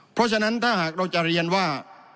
เพราะฉะนั้นถ้าหากเราจะเรียนว่า